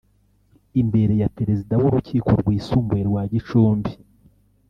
Imbere ya Perezida w’Urukiko Rwisumbuye rwa Gicumbi